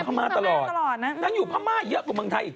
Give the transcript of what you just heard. ปะมาตลอดนั่งอยู่ประมาหะเยอะกว่าเมืองไทยอีก